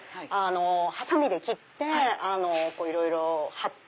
はさみで切っていろいろ貼って。